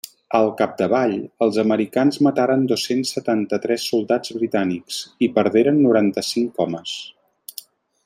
Al capdavall els americans mataren dos-cents setanta-tres soldats britànics i perderen noranta-cinc homes.